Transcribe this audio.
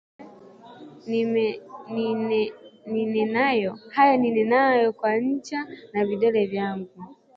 Haya ninenayo kwa ncha za vidole vyangu